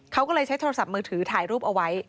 เขาก็เลยใช้โทรศัพท์มือถือถ่ายรูปเอาไว้